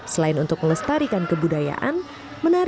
selain untuk melestarikan kebudayaan dia juga harus berlatih menari